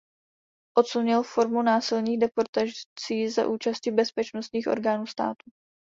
Odsun měl formu násilných deportací za účasti bezpečnostních orgánů státu.